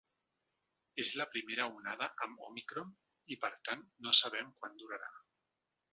És la primera onada amb òmicron i, per tant, no sabem quant durarà.